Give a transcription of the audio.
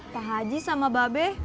pak haji sama babe